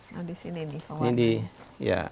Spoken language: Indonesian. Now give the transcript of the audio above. nah di sini nih khawatir